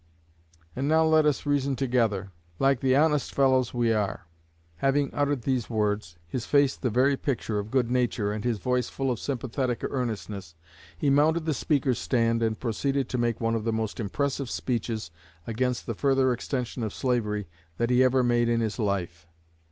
And now let us reason together, like the honest fellows we are." Having uttered these words, his face the very picture of good nature and his voice full of sympathetic earnestness, he mounted the speaker's stand and proceeded to make one of the most impressive speeches against the further extension of slavery that he ever made in his life.